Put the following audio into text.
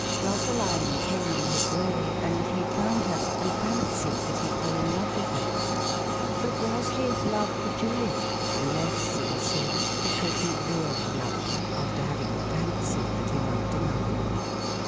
Rosaline came in his way, and he fomid her, and fancied that he fell in love with her. But was his love for Juliet the less sincere because he really loved her after having fancied that he loved another